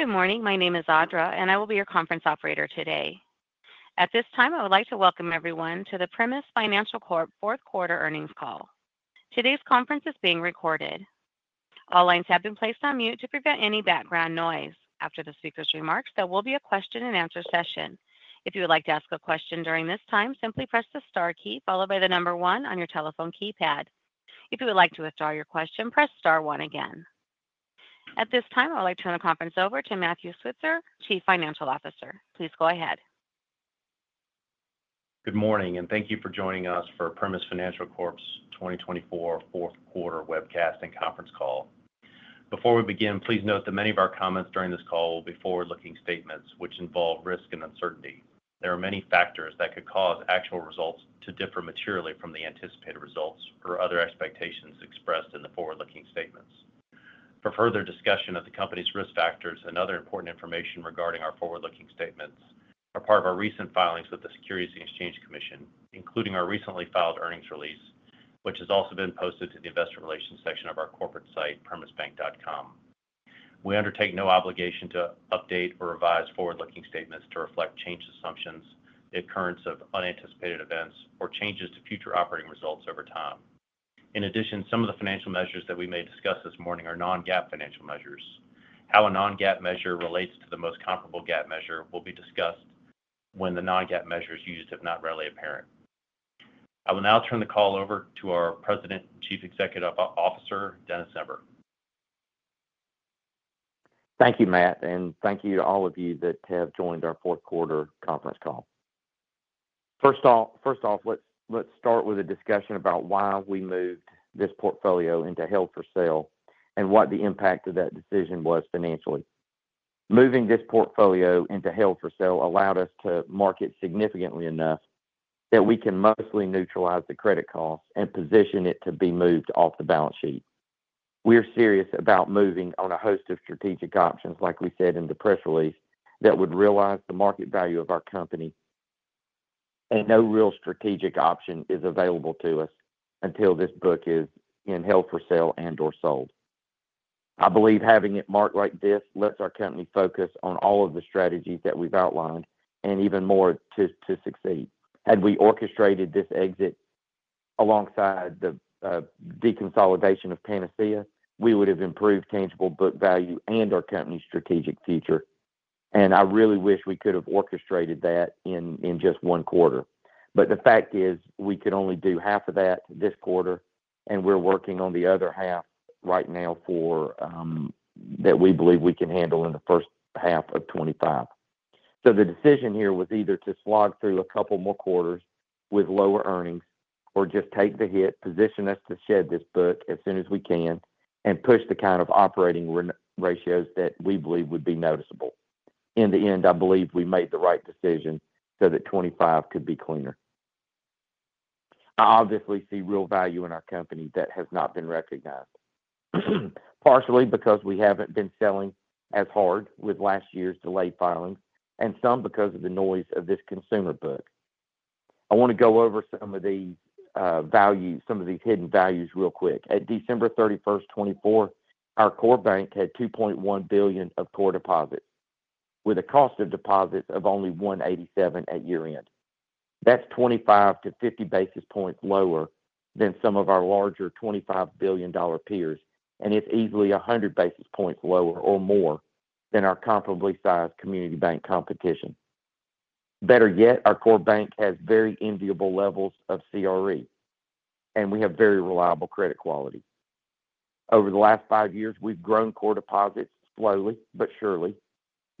Good morning. My name is Audra, and I will be your conference operator today. At this time, I would like to welcome everyone to the Primis Financial Corp fourth quarter earnings call. Today's conference is being recorded. All lines have been placed on mute to prevent any background noise. After the speaker's remarks, there will be a question-and-answer session. If you would like to ask a question during this time, simply press the star key followed by the number one on your telephone keypad. If you would like to withdraw your question, press star one again. At this time, I would like to turn the conference over to Matthew Switzer, Chief Financial Officer. Please go ahead. Good morning, and thank you for joining us for Primis Financial Corp's 2024 fourth quarter webcast and conference call. Before we begin, please note that many of our comments during this call will be forward-looking statements which involve risk and uncertainty. There are many factors that could cause actual results to differ materially from the anticipated results or other expectations expressed in the forward-looking statements. For further discussion of the company's risk factors and other important information regarding our forward-looking statements, a part of our recent filings with the Securities and Exchange Commission, including our recently filed earnings release, which has also been posted to the investor relations section of our corporate site, primisbank.com. We undertake no obligation to update or revise forward-looking statements to reflect changed assumptions, the occurrence of unanticipated events, or changes to future operating results over time. In addition, some of the financial measures that we may discuss this morning are non-GAAP financial measures. How a non-GAAP measure relates to the most comparable GAAP measure will be discussed when the non-GAAP measures used are not readily apparent. I will now turn the call over to our President and Chief Executive Officer, Dennis Zember. Thank you, Matt, and thank you to all of you that have joined our fourth quarter conference call. First off, let's start with a discussion about why we moved this portfolio into held for sale and what the impact of that decision was financially. Moving this portfolio into held for sale allowed us to market significantly enough that we can mostly neutralize the credit costs and position it to be moved off the balance sheet. We're serious about moving on a host of strategic options, like we said in the press release, that would realize the market value of our company, and no real strategic option is available to us until this book is in held for sale and/or sold. I believe having it marked like this lets our company focus on all of the strategies that we've outlined and even more to succeed. Had we orchestrated this exit alongside the deconsolidation of Panacea, we would have improved tangible book value and our company's strategic future. And I really wish we could have orchestrated that in just one quarter. But the fact is we could only do half of that this quarter, and we're working on the other half right now that we believe we can handle in the first half of 2025. So the decision here was either to slog through a couple more quarters with lower earnings or just take the hit, position us to shed this book as soon as we can, and push the kind of operating ratios that we believe would be noticeable. In the end, I believe we made the right decision so that 2025 could be cleaner. I obviously see real value in our company that has not been recognized, partially because we haven't been selling as hard with last year's delayed filings and some because of the noise of this consumer book. I want to go over some of these hidden values real quick. At December 31st, 2024, our core bank had $2.1 billion of core deposits with a cost of deposits of only 187 at year-end. That's 25-50 basis points lower than some of our larger $25 billion peers, and it's easily 100 basis points lower or more than our comparably sized community bank competition. Better yet, our core bank has very enviable levels of CRE, and we have very reliable credit quality. Over the last five years, we've grown core deposits slowly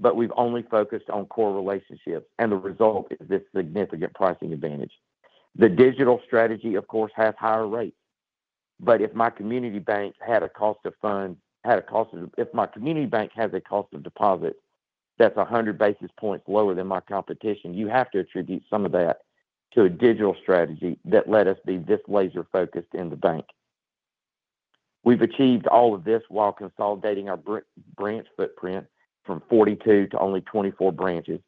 but surely, but we've only focused on core relationships, and the result is this significant pricing advantage. The digital strategy, of course, has higher rates, but if my community bank has a cost of deposits that's 100 basis points lower than my competition, you have to attribute some of that to a digital strategy that let us be this laser-focused in the bank. We've achieved all of this while consolidating our branch footprint from 42 to only 24 branches,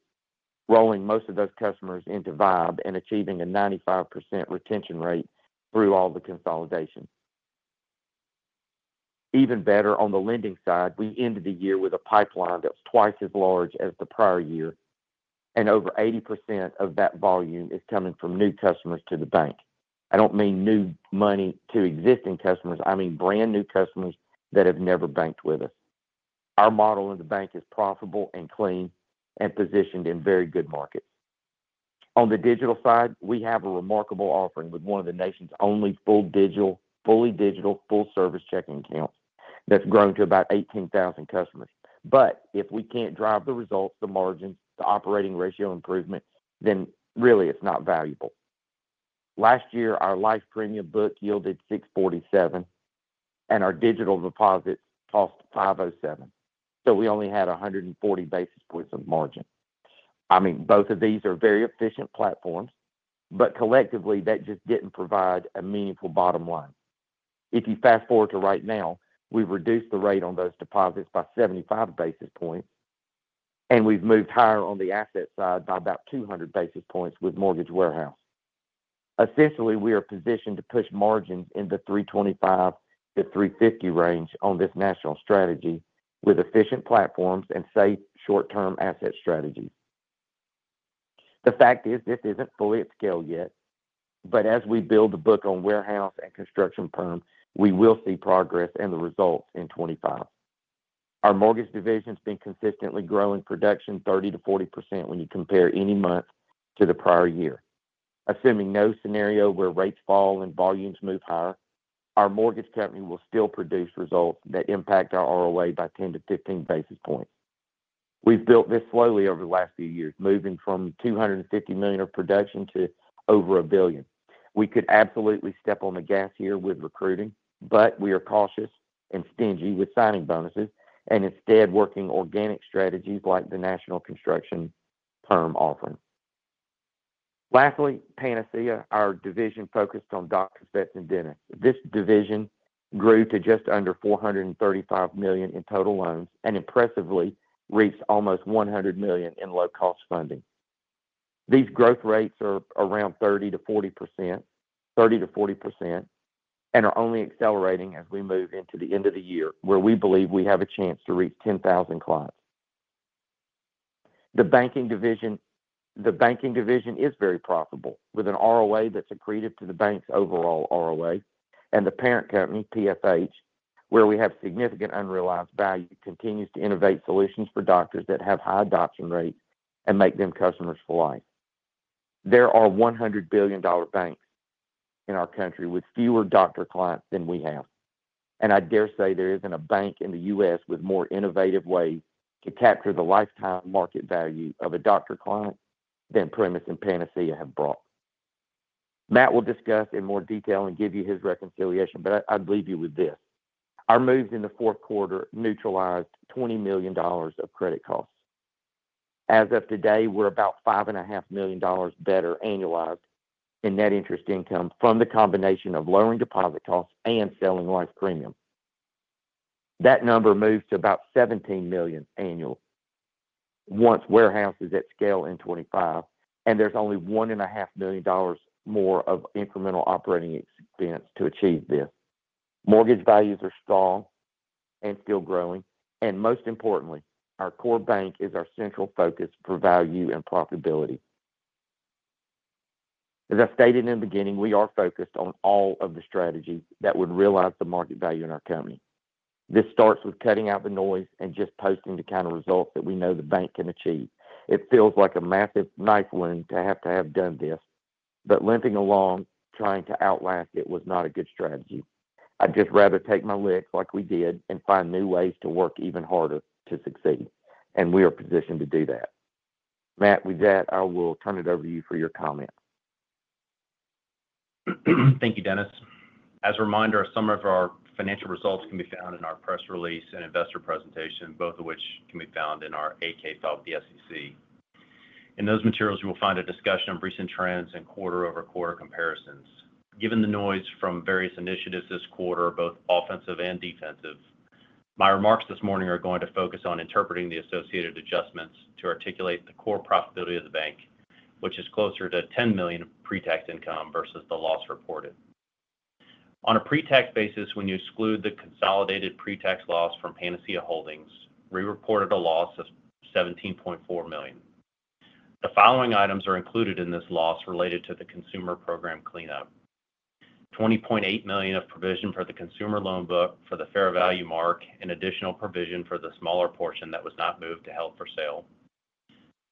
rolling most of those customers into V1BE and achieving a 95% retention rate through all the consolidation. Even better, on the lending side, we ended the year with a pipeline that's twice as large as the prior year, and over 80% of that volume is coming from new customers to the bank. I don't mean new money to existing customers. I mean brand new customers that have never banked with us. Our model in the bank is profitable and clean and positioned in very good markets. On the digital side, we have a remarkable offering with one of the nation's only fully digital, full-service checking accounts that's grown to about 18,000 customers. But if we can't drive the results, the margins, the operating ratio improvement, then really it's not valuable. Last year, our life premium book yielded 647, and our digital deposits cost 507, so we only had 140 basis points of margin. I mean, both of these are very efficient platforms, but collectively, that just didn't provide a meaningful bottom line. If you fast forward to right now, we've reduced the rate on those deposits by 75 basis points, and we've moved higher on the asset side by about 200 basis points with mortgage warehouse. Essentially, we are positioned to push margins in the 325-350 range on this national strategy with efficient platforms and safe short-term asset strategies. The fact is this isn't fully at scale yet, but as we build the book on warehouse and construction perm, we will see progress in the results in 2025. Our mortgage division has been consistently growing production 30%-40% when you compare any month to the prior year. Assuming no scenario where rates fall and volumes move higher, our mortgage company will still produce results that impact our ROA by 10 to 15 basis points. We've built this slowly over the last few years, moving from $250 million of production to over a billion. We could absolutely step on the gas here with recruiting, but we are cautious and stingy with signing bonuses and instead working organic strategies like the national construction perm offering. Lastly, Panacea, our division focused on doctors, vets, and dentists. This division grew to just under $435 million in total loans and impressively reached almost $100 million in low-cost funding. These growth rates are around 30%-40%, 30%-40%, and are only accelerating as we move into the end of the year where we believe we have a chance to reach 10,000 clients. The banking division is very profitable with an ROA that's accretive to the bank's overall ROA, and the parent company, PFH, where we have significant unrealized value, continues to innovate solutions for doctors that have high adoption rates and make them customers for life. There are $100 billion banks in our country with fewer doctor clients than we have, and I dare say there isn't a bank in the U.S. with more innovative ways to capture the lifetime market value of a doctor client than Primis and Panacea have brought. Matt will discuss in more detail and give you his reconciliation, but I'd leave you with this. Our moves in the fourth quarter neutralized $20 million of credit costs. As of today, we're about $5.5 million better annualized in net interest income from the combination of lowering deposit costs and selling life premium. That number moved to about $17 million annual once warehouse is at scale in 2025, and there's only $1.5 million more of incremental operating expense to achieve this. Mortgage values are strong and still growing, and most importantly, our core bank is our central focus for value and profitability. As I stated in the beginning, we are focused on all of the strategies that would realize the market value in our company. This starts with cutting out the noise and just posting the kind of results that we know the bank can achieve. It feels like a massive knife wound to have to have done this, but limping along trying to outlast it was not a good strategy. I'd just rather take my licks like we did and find new ways to work even harder to succeed, and we are positioned to do that. Matt, with that, I will turn it over to you for your comment. Thank you, Dennis. As a reminder, some of our financial results can be found in our press release and investor presentation, both of which can be found in our 8-K filed with the SEC. In those materials, you will find a discussion of recent trends and quarter-over-quarter comparisons. Given the noise from various initiatives this quarter, both offensive and defensive, my remarks this morning are going to focus on interpreting the associated adjustments to articulate the core profitability of the bank, which is closer to $10 million of pre-tax income versus the loss reported. On a pre-tax basis, when you exclude the consolidated pre-tax loss from Panacea Holdings, we reported a loss of $17.4 million. The following items are included in this loss related to the consumer program cleanup: $20.8 million of provision for the consumer loan book for the fair value mark, an additional provision for the smaller portion that was not moved to held for sale,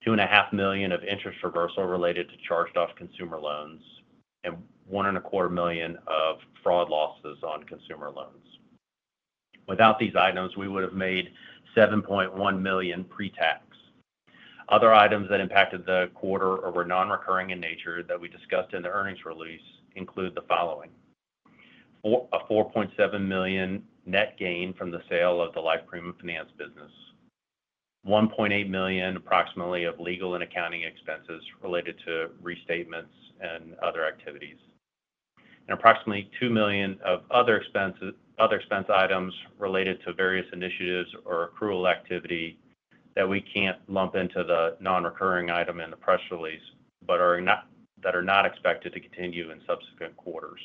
$2.5 million of interest reversal related to charged-off consumer loans, and $1.25 million of fraud losses on consumer loans. Without these items, we would have made $7.1 million pre-tax. Other items that impacted the quarter or were non-recurring in nature that we discussed in the earnings release include the following: a $4.7 million net gain from the sale of the life premium finance business, approximately $1.8 million of legal and accounting expenses related to restatements and other activities, and approximately $2 million of other expense items related to various initiatives or accrual activity that we can't lump into the non-recurring item in the press release but are not expected to continue in subsequent quarters.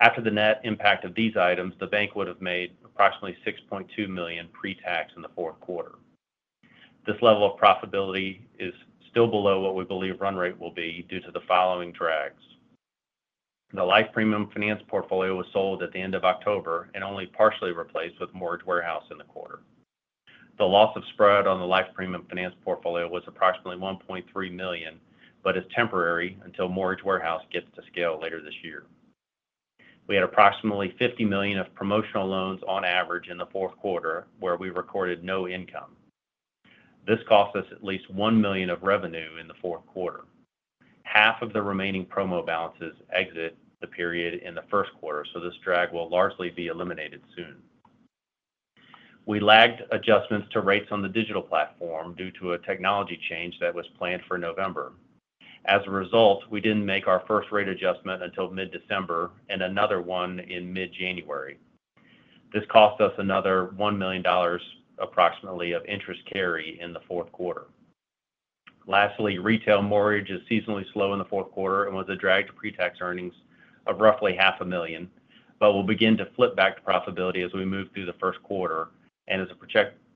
After the net impact of these items, the bank would have made approximately $6.2 million pre-tax in the fourth quarter. This level of profitability is still below what we believe run rate will be due to the following drags. The life premium finance portfolio was sold at the end of October and only partially replaced with mortgage warehouse in the quarter. The loss of spread on the life premium finance portfolio was approximately $1.3 million but is temporary until mortgage warehouse gets to scale later this year. We had approximately $50 million of promotional loans on average in the fourth quarter where we recorded no income. This cost us at least $1 million of revenue in the fourth quarter. Half of the remaining promo balances exit the period in the first quarter, so this drag will largely be eliminated soon. We lagged adjustments to rates on the digital platform due to a technology change that was planned for November. As a result, we didn't make our first rate adjustment until mid-December and another one in mid-January. This cost us another $1 million approximately of interest carry in the fourth quarter. Lastly, retail mortgage is seasonally slow in the fourth quarter and was a drag to pre-tax earnings of roughly $500,000, but will begin to flip back to profitability as we move through the first quarter and is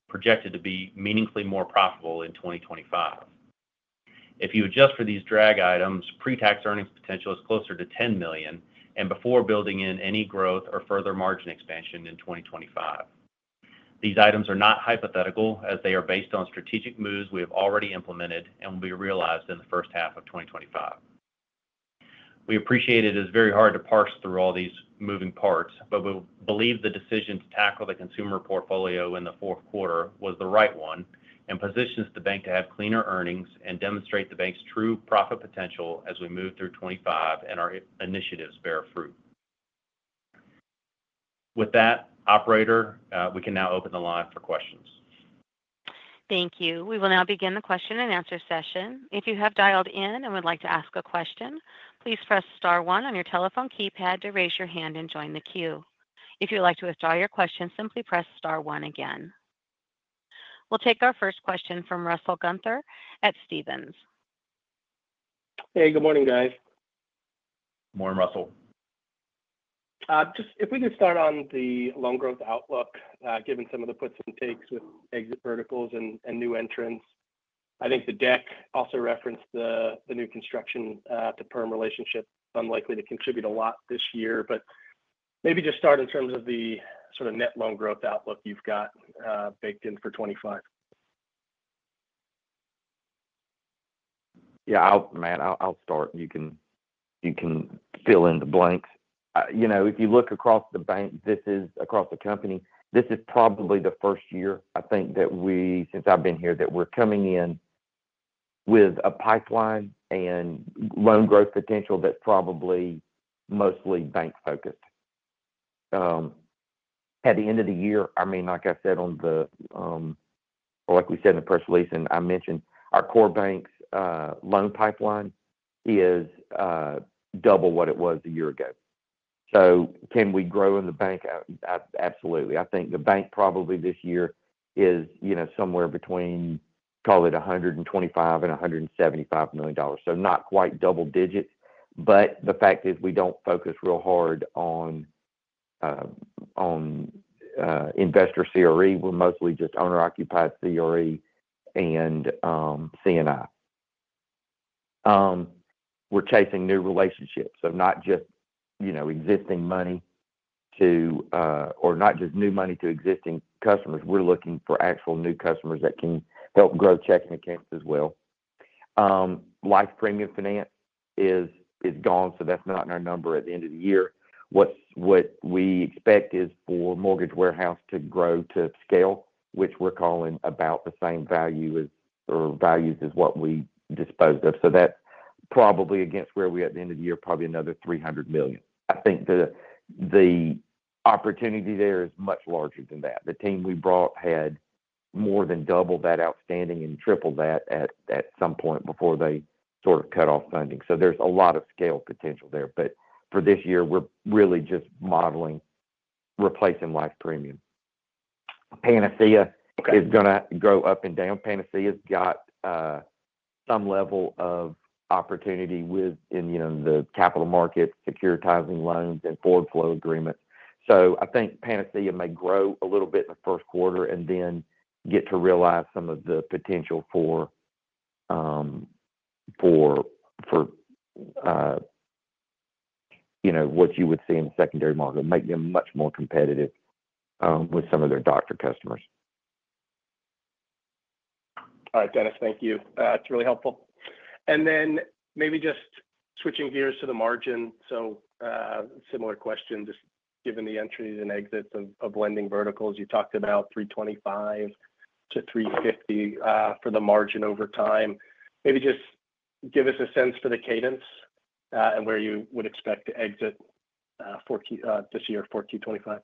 projected to be meaningfully more profitable in 2025. If you adjust for these drag items, pre-tax earnings potential is closer to $10 million and before building in any growth or further margin expansion in 2025. These items are not hypothetical as they are based on strategic moves we have already implemented and will be realized in the first half of 2025. We appreciate it is very hard to parse through all these moving parts, but we believe the decision to tackle the consumer portfolio in the fourth quarter was the right one and positions the bank to have cleaner earnings and demonstrate the bank's true profit potential as we move through 2025 and our initiatives bear fruit. With that, operator, we can now open the line for questions. Thank you. We will now begin the question and answer session. If you have dialed in and would like to ask a question, please press star one on your telephone keypad to raise your hand and join the queue. If you'd like to withdraw your question, simply press star one again. We'll take our first question from Russell Gunther at Stephens. Hey, good morning, guys. Morning, Russell. Just if we could start on the loan growth outlook, given some of the puts and takes with exit verticals and new entrants. I think the deck also referenced the new construction-to-perm relationship. It's unlikely to contribute a lot this year, but maybe just start in terms of the sort of net loan growth outlook you've got baked in for 2025. Yeah, I'll, man, I'll start. You can fill in the blanks. If you look across the bank, this is across the company, this is probably the first year, I think, that we, since I've been here, that we're coming in with a pipeline and loan growth potential that's probably mostly bank-focused. At the end of the year, I mean, like I said on the or like we said in the press release, and I mentioned our core bank's loan pipeline is double what it was a year ago. So can we grow in the bank? Absolutely. I think the bank probably this year is somewhere between, call it $125 million and $175 million, so not quite double digits. But the fact is we don't focus real hard on investor CRE. We're mostly just owner-occupied CRE and C&I. We're chasing new relationships, so not just existing money too or not just new money to existing customers. We're looking for actual new customers that can help grow checking accounts as well. Life premium finance is gone, so that's not in our number at the end of the year. What we expect is for mortgage warehouse to grow to scale, which we're calling about the same value as or values as what we disposed of. So that's probably against where we are at the end of the year, probably another $300 million. I think the opportunity there is much larger than that. The team we brought had more than doubled that outstanding and tripled that at some point before they sort of cut off funding. So there's a lot of scale potential there. But for this year, we're really just modeling replacing life premium. Panacea is going to grow up and down. Panacea's got some level of opportunity within the capital markets, securitizing loans and forward flow agreements. So I think Panacea may grow a little bit in the first quarter and then get to realize some of the potential for what you would see in the secondary market, make them much more competitive with some of their doctor customers. All right, Dennis, thank you. That's really helpful. And then maybe just switching gears to the margin, so similar question, just given the entries and exits of lending verticals, you talked about 325-350 for the margin over time. Maybe just give us a sense for the cadence and where you would expect to exit this year for Q 2025?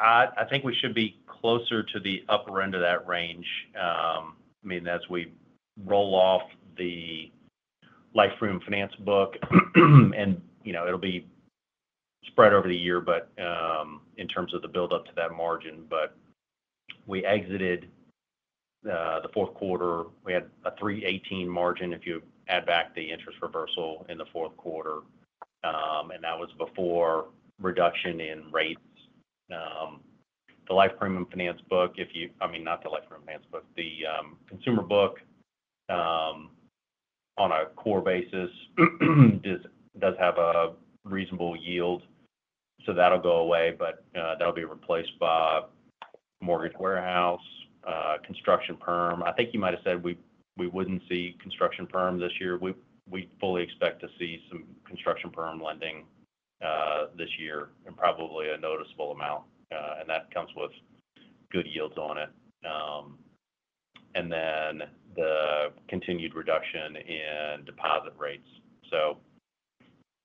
I think we should be closer to the upper end of that range. I mean, as we roll off the life premium finance book, and it'll be spread over the year, but in terms of the build-up to that margin. But we exited the fourth quarter, we had a 318 margin if you add back the interest reversal in the fourth quarter, and that was before reduction in rates. The life premium finance book, if you I mean, not the life premium finance book, the consumer book on a core basis does have a reasonable yield, so that'll go away, but that'll be replaced by mortgage warehouse, construction perm. I think you might have said we wouldn't see construction perm this year. We fully expect to see some construction perm lending this year and probably a noticeable amount, and that comes with good yields on it. And then the continued reduction in deposit rates. So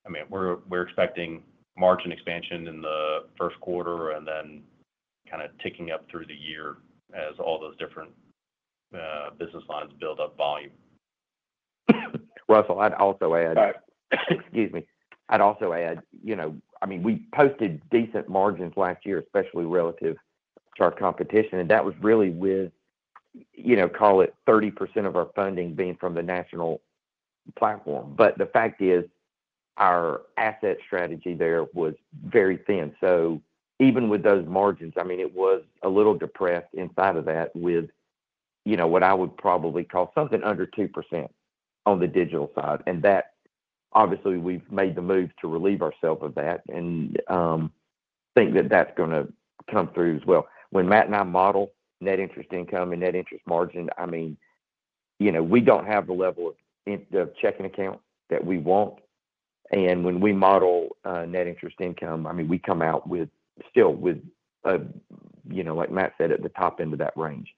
I mean, we're expecting margin expansion in the first quarter and then kind of ticking up through the year as all those different business lines build up volume. Russell, I'd also add, excuse me, I mean, we posted decent margins last year, especially relative to our competition, and that was really with, call it 30% of our funding being from the national platform. But the fact is our asset strategy there was very thin. So even with those margins, I mean, it was a little depressed inside of that with what I would probably call something under 2% on the digital side. And that, obviously, we've made the move to relieve ourselves of that and think that that's going to come through as well. When Matt and I model net interest income and net interest margin, I mean, we don't have the level of checking account that we want. And when we model net interest income, I mean, we come out still with, like Matt said, at the top end of that range.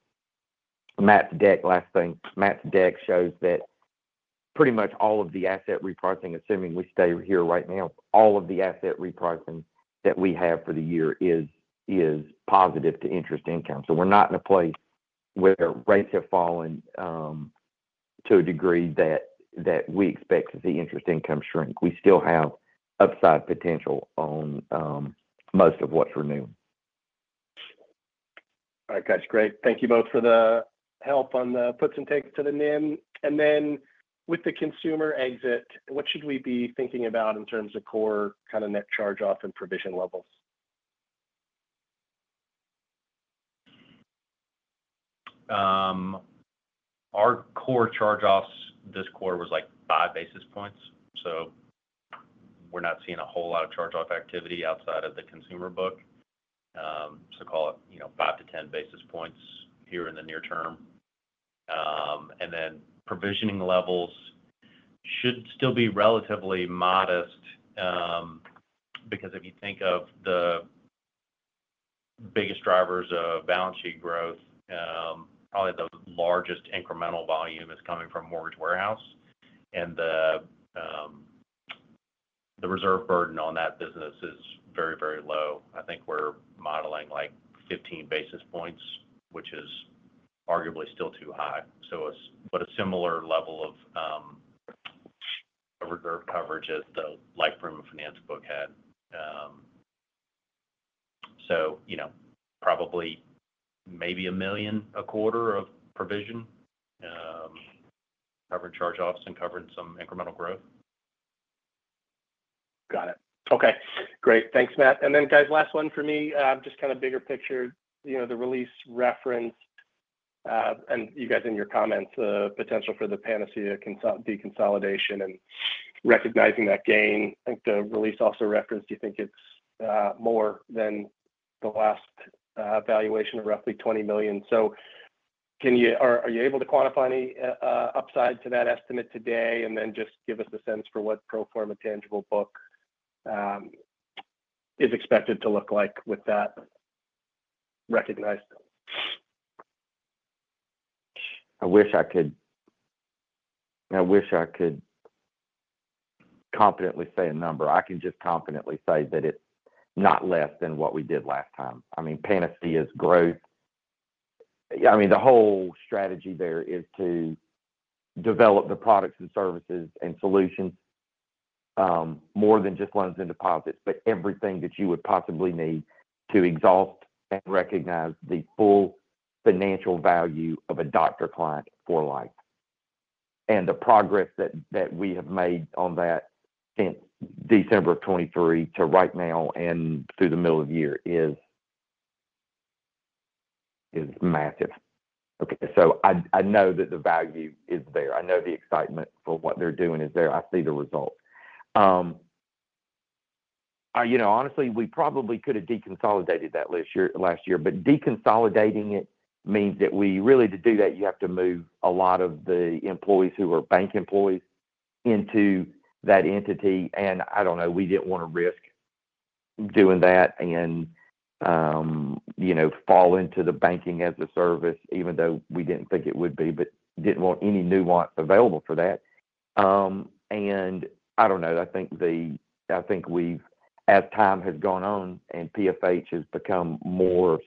Matt's deck, last thing, Matt's deck shows that pretty much all of the asset repricing, assuming we stay here right now, all of the asset repricing that we have for the year is positive to interest income. So we're not in a place where rates have fallen to a degree that we expect the interest income shrink. We still have upside potential on most of what's renewed. All right, guys, great. Thank you both for the help on the puts and takes to the NIM, and then with the consumer exit, what should we be thinking about in terms of core kind of net charge-off and provision levels? Our core charge-offs this quarter was like five basis points. So we're not seeing a whole lot of charge-off activity outside of the consumer book. So call it 5-10 basis points here in the near term. And then provisioning levels should still be relatively modest because if you think of the biggest drivers of balance sheet growth, probably the largest incremental volume is coming from mortgage warehouse, and the reserve burden on that business is very, very low. I think we're modeling like 15 basis points, which is arguably still too high. So but a similar level of reserve coverage as the life premium finance book had. So probably maybe $1 million a quarter of provision, covering charge-offs and covering some incremental growth. Got it. Okay. Great. Thanks, Matt. And then, guys, last one for me, just kind of bigger picture, the release referenced and you guys in your comments, the potential for the Panacea deconsolidation and recognizing that gain. I think the release also referenced, do you think it's more than the last valuation of roughly $20 million? So are you able to quantify any upside to that estimate today? And then just give us a sense for what pro forma tangible book is expected to look like with that recognized. I wish I could confidently say a number. I can just confidently say that it's not less than what we did last time. I mean, Panacea's growth, I mean, the whole strategy there is to develop the products and services and solutions more than just loans and deposits, but everything that you would possibly need to exhaust and recognize the full financial value of a doctor client for life. And the progress that we have made on that since December of 2023 to right now and through the middle of the year is massive. Okay. So I know that the value is there. I know the excitement for what they're doing is there. I see the results. Honestly, we probably could have deconsolidated that last year, but deconsolidating it means that we really, to do that, you have to move a lot of the employees who are bank employees into that entity. And I don't know, we didn't want to risk doing that and fall into the banking as a service, even though we didn't think it would be, but didn't want any nuance available for that. And I don't know, I think we've, as time has gone on and PFH has become more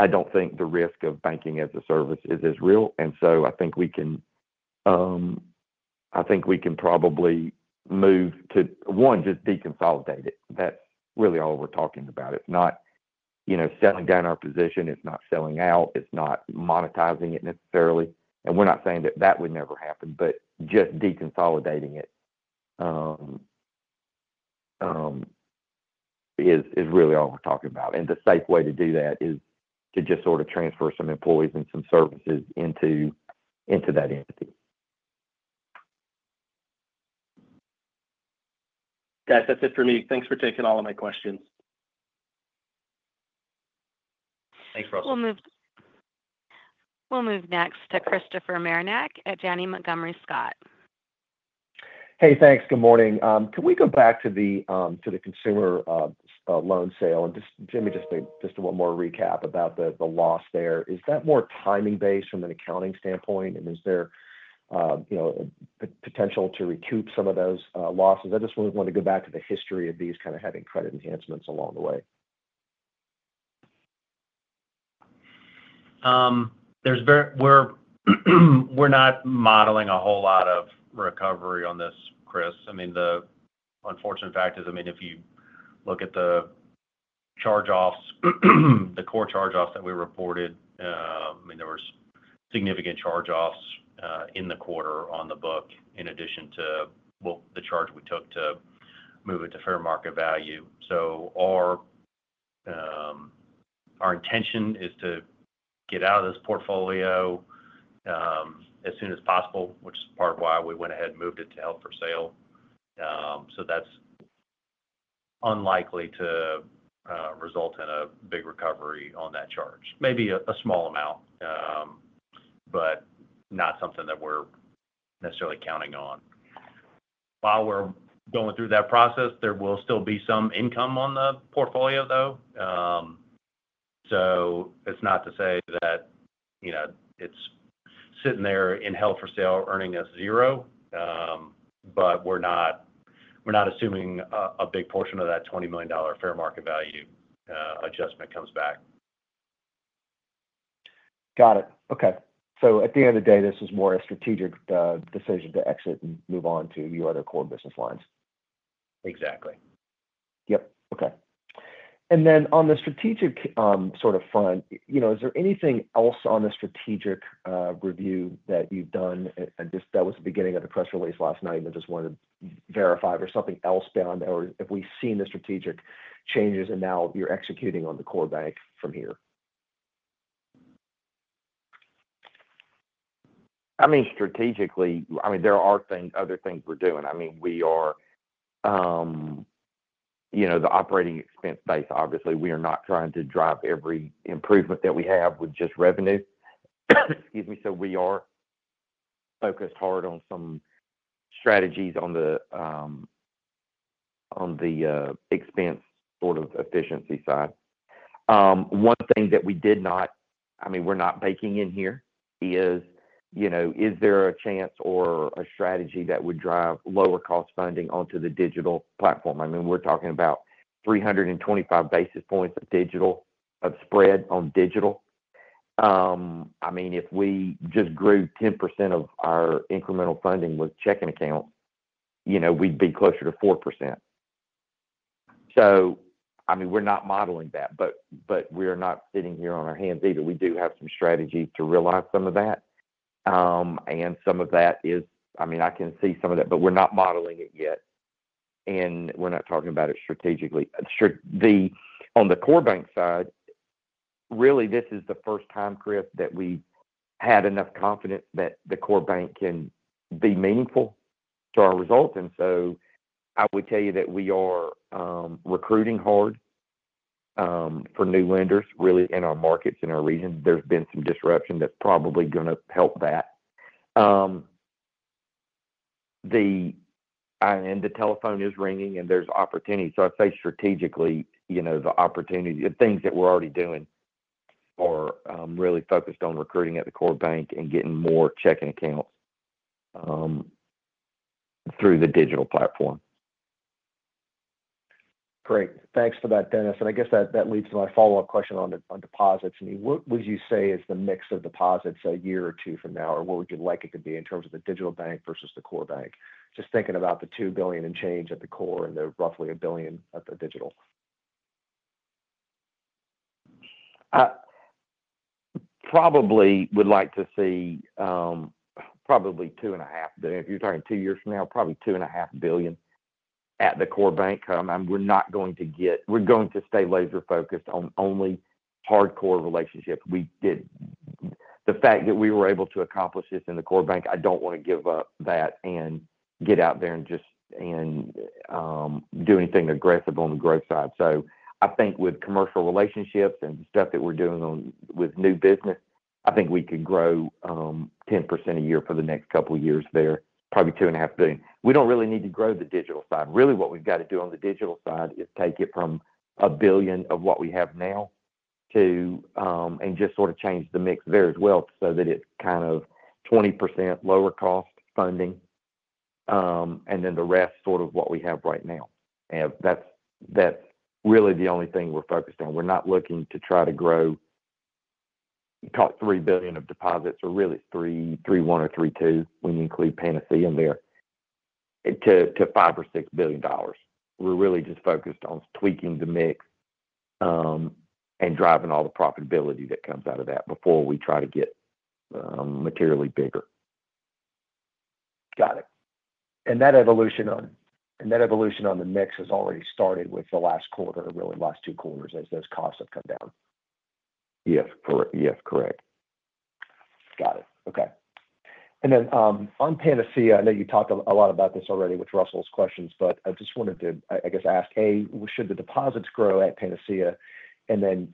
substantial, I don't think the risk of banking as a service is as real. And so I think we can I think we can probably move to, one, just deconsolidate it. That's really all we're talking about. It's not selling down our position. It's not selling out. It's not monetizing it necessarily. And we're not saying that that would never happen, but just deconsolidating it is really all we're talking about. And the safe way to do that is to just sort of transfer some employees and some services into that entity. Guys, that's it for me. Thanks for taking all of my questions. Thanks, Russell. We'll move next to Christopher Marinac at Janney Montgomery Scott. Hey, thanks. Good morning. Can we go back to the consumer loan sale, and just give me just one more recap about the loss there? Is that more timing-based from an accounting standpoint, and is there potential to recoup some of those losses? I just want to go back to the history of these kind of having credit enhancements along the way. We're not modeling a whole lot of recovery on this, Chris. I mean, the unfortunate fact is, I mean, if you look at the charge-offs, the core charge-offs that we reported, I mean, there were significant charge-offs in the quarter on the book in addition to the charge we took to move it to fair market value. So our intention is to get out of this portfolio as soon as possible, which is part of why we went ahead and moved it to held for sale. So that's unlikely to result in a big recovery on that charge. Maybe a small amount, but not something that we're necessarily counting on. While we're going through that process, there will still be some income on the portfolio, though. So it's not to say that it's sitting there held for sale earning us zero, but we're not assuming a big portion of that $20 million fair market value adjustment comes back. Got it. Okay. So at the end of the day, this is more a strategic decision to exit and move on to your other core business lines. Exactly. Yep. Okay. And then on the strategic sort of front, is there anything else on the strategic review that you've done? And that was the beginning of the press release last night. I just wanted to verify if there's something else beyond that, or have we seen the strategic changes and now you're executing on the core bank from here? I mean, strategically, I mean, there are other things we're doing. I mean, we are the operating expense base, obviously. We are not trying to drive every improvement that we have with just revenue. Excuse me. So we are focused hard on some strategies on the expense sort of efficiency side. One thing that we did not, I mean, we're not baking in here is, is there a chance or a strategy that would drive lower-cost funding onto the digital platform? I mean, we're talking about 325 basis points of spread on digital. I mean, if we just grew 10% of our incremental funding with checking accounts, we'd be closer to 4%. So I mean, we're not modeling that, but we are not sitting here on our hands either. We do have some strategies to realize some of that. And some of that is, I mean, I can see some of that, but we're not modeling it yet. And we're not talking about it strategically. On the core bank side, really, this is the first time, Chris, that we've had enough confidence that the core bank can be meaningful to our result. And so I would tell you that we are recruiting hard for new lenders, really, in our markets and our region. There's been some disruption that's probably going to help that. And the telephone is ringing and there's opportunity. So I'd say strategically, the opportunity of things that we're already doing are really focused on recruiting at the core bank and getting more checking accounts through the digital platform. Great. Thanks for that, Dennis. And I guess that leads to my follow-up question on deposits. I mean, what would you say is the mix of deposits a year or two from now, or what would you like it to be in terms of the digital bank versus the core bank? Just thinking about the two billion and change at the core and the roughly a billion at the digital. Probably would like to see probably $2.5 billion. You're talking two years from now, probably $2.5 billion at the core bank, and we're not going to, we're going to stay laser-focused on only hardcore relationships. The fact that we were able to accomplish this in the core bank, I don't want to give up that and get out there and just do anything aggressive on the growth side, so I think with commercial relationships and stuff that we're doing with new business, I think we could grow 10% a year for the next couple of years there, probably $2.5 billion. We don't really need to grow the digital side. Really, what we've got to do on the digital side is take it from $1 billion of what we have now and just sort of change the mix there as well so that it's kind of 20% lower-cost funding and then the rest sort of what we have right now. And that's really the only thing we're focused on. We're not looking to try to grow to $3 billion of deposits or really $3.1 billion or $3.2 billion when you include Panacea in there to $5 billion or $6 billion. We're really just focused on tweaking the mix and driving all the profitability that comes out of that before we try to get materially bigger. Got it. And that evolution on the mix has already started with the last quarter, really last two quarters as those costs have come down. Yes. Correct. Yes. Correct. Got it. Okay. And then on Panacea, I know you talked a lot about this already with Russell's questions, but I just wanted to, I guess, ask, A, should the deposits grow at Panacea? And then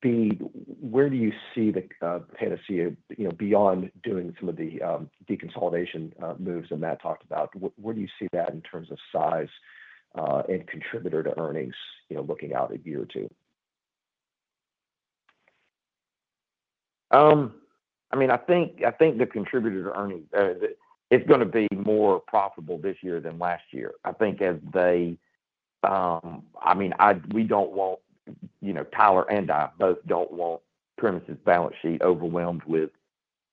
B, where do you see the Panacea beyond doing some of the deconsolidation moves that Matt talked about? Where do you see that in terms of size and contributor to earnings looking out a year or two? I mean, I think the contributor to earnings is going to be more profitable this year than last year. I think as they I mean, we don't want Tyler and I both don't want Primis' balance sheet overwhelmed with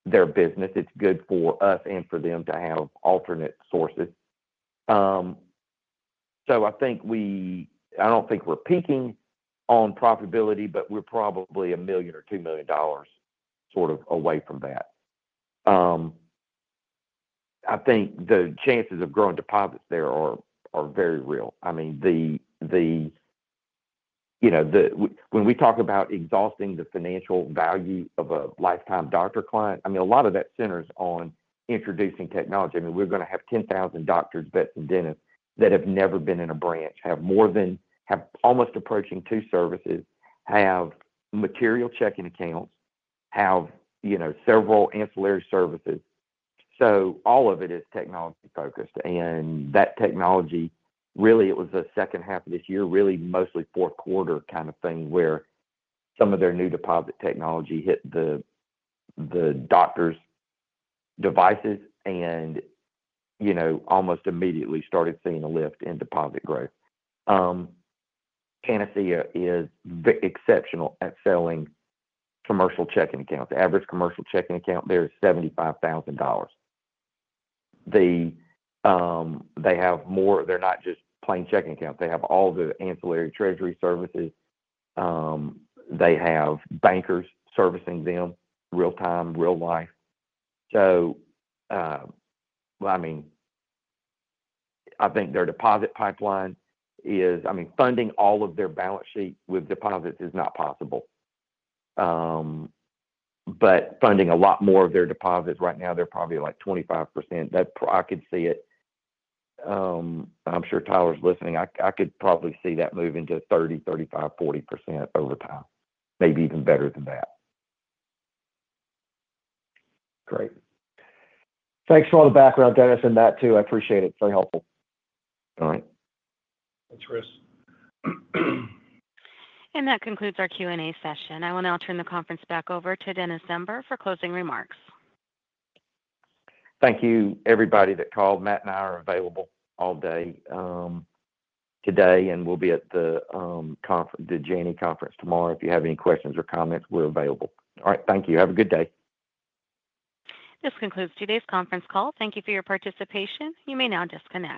their business. It's good for us and for them to have alternate sources. So I think we I don't think we're peaking on profitability, but we're probably $1 million or $2 million sort of away from that. I think the chances of growing deposits there are very real. I mean, when we talk about exhausting the financial value of a lifetime doctor client, I mean, a lot of that centers on introducing technology. I mean, we're going to have 10,000 doctors, vets, and dentists that have never been in a branch, have almost approaching two services, have material checking accounts, have several ancillary services. So all of it is technology-focused. That technology, really, it was the second half of this year, really mostly fourth quarter kind of thing where some of their new deposit technology hit the doctors' devices and almost immediately started seeing a lift in deposit growth. Panacea is exceptional at selling commercial checking accounts. Average commercial checking account there is $75,000. They have more; they're not just plain checking accounts. They have all the ancillary treasury services. They have bankers servicing them real-time, real-life. So I mean, I think their deposit pipeline is; I mean, funding all of their balance sheet with deposits is not possible. But funding a lot more of their balance sheet with deposits right now, they're probably like 25%. I could see it. I'm sure Tyler's listening. I could probably see that moving to 30%-40% over time, maybe even better than that. Great. Thanks for all the background, Dennis, and that too. I appreciate it. It's very helpful. All right. Thanks, Chris. That concludes our Q&A session. I will now turn the conference back over to Dennis Zember for closing remarks. Thank you, everybody that called. Matt and I are available all day today, and we'll be at the Janney conference tomorrow. If you have any questions or comments, we're available. All right. Thank you. Have a good day. This concludes today's conference call. Thank you for your participation. You may now disconnect.